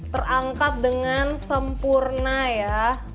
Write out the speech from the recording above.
terangkat dengan sempurna ya